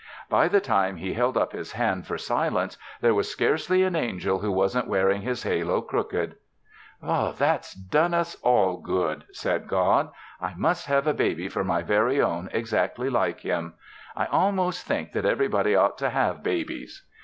By the time He held up His hand for silence, there was scarcely an angel who wasn't wearing his halo crooked. "That's done us all good," said God. "I must have a baby for my very own exactly like him. I almost think that everybody ought to have babies."